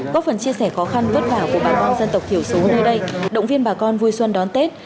có phần chia sẻ khó khăn vất vả của bà con dân tộc thiểu số nơi đây động viên bà con vui xuân đón tết